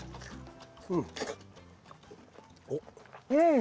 うん！